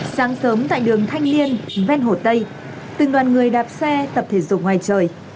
sáng sớm tại đường thanh liên ven hồ tây từng đoàn người đạp xe tập thể dục ngoài trời